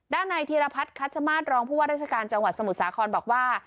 ด้านในธีรพัฒน์คัชมาตรรองผู้ว่าราชการจังหวัดสมุทรสาครบอกว่า